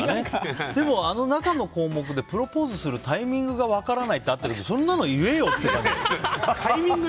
でも、あの中の項目でプロポーズするタイミングが分からないってあったけどそんなの言えよって思う。